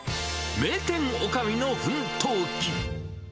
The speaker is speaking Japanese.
名店おかみの奮闘記。